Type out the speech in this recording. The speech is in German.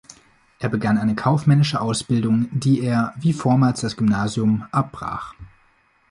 Er begann eine kaufmännische Ausbildung, die er, wie vormals das Gymnasium, abbrach.